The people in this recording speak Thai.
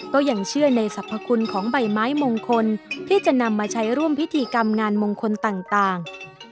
ก็ยังเชื่อในสรรพคุณของใบไม้มงคลที่จะนำมาใช้ร่วมพิธีกรรมงานมงคลต่าง